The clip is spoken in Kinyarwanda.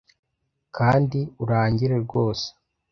kandi urangire rwose